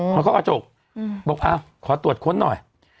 อืมเขากระจกอืมบอกเอาขอตรวจค้นหน่อย